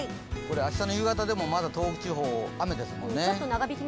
明日の夕方でも東北地方、雨ですもんね。